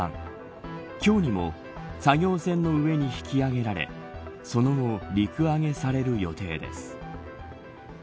今日にも作業船の上に引き揚げられその後、陸揚げされる予定です。